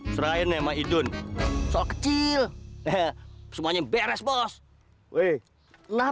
kalian mau juga di cengkak menta